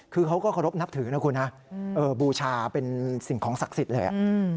คือเขาก็เคารพนับถือนะคุณนะบูชาเป็นสิ่งของศักดิ์สิทธิ์เลย